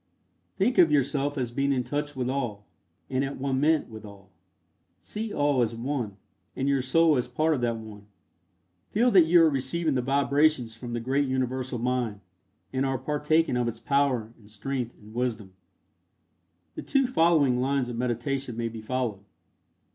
Think of yourself as being in touch with All, and at one ment with All. See All as One, and your Soul as a part of that One. Feel that you are receiving the vibrations from the great Universal Mind, and are partaking of its power and strength and wisdom. The two following lines of meditation may be followed.